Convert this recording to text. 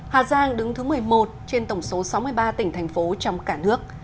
hà giang đứng thứ một mươi một trên tổng số sáu mươi ba tỉnh thành phố trong cả nước